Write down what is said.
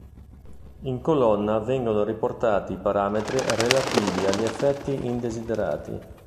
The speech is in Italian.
In colonna vengono riportati i parametri relativi agli effetti indesiderati.